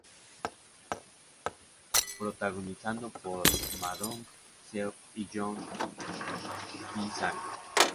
Protagonizada por Ma Dong-seok y Yoon Kye-sang.